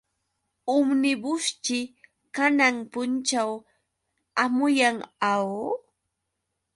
Umnibusćhi kanan punćhaw hamuyan, ¿aw?